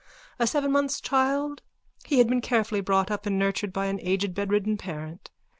A sevenmonths' child, he had been carefully brought up and nurtured by an aged bedridden parent.